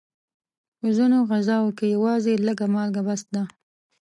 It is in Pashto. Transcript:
په ځینو غذاوو کې یوازې لږه مالګه بس ده.